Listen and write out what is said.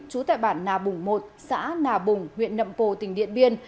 trú tại bản nà bủng một xã nà bùng huyện nậm pồ tỉnh điện biên